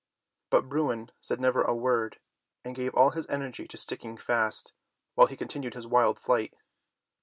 But Bruin said never a word and gave all his energy to sticking fast, while he continued his wild flight.